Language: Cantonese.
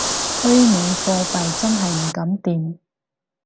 虛擬貨幣真係唔敢掂